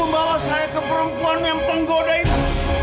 membawa saya ke perempuan yang penggoda itu